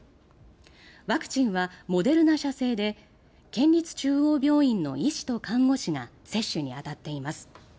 ワクチンはモデルナ社製で県立中央病院の医師と看護師が接種に当たっています。